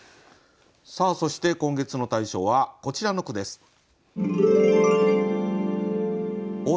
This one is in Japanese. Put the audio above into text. さあそして今月の大賞はこちらの句です。